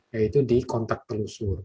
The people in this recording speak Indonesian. yaitu di kontak telusur